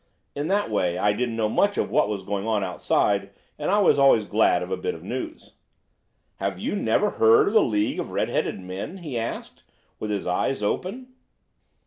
In that way I didn't know much of what was going on outside, and I was always glad of a bit of news. "'Have you never heard of the League of the Red headed Men?' he asked with his eyes open.